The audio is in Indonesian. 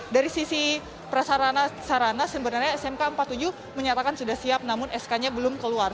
dari sisi prasarana sarana sebenarnya smk empat puluh tujuh menyatakan sudah siap namun sk nya belum keluar